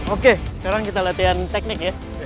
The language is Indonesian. oke sekarang kita latihan teknik ya